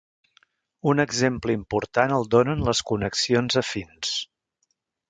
Un exemple important el donen les connexions afins.